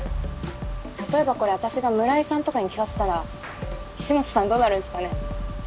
例えばこれ私が村井さんとかに聞かせたら岸本さんどうなるんすかね？